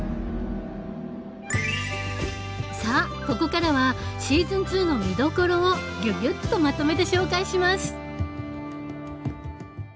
さあここからはシーズン２の見どころをギュギュッとまとめて紹介します。